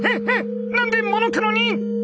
何でモノクロに？